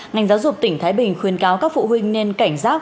ngành giáo dục tỉnh thái bình khuyên cáo các phụ huynh nên cảnh giác